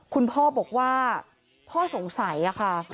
คุณพ่อบอกว่าพ่อสงสัยค่ะ